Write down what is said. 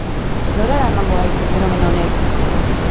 Nora eramango gaitu fenomeno honek?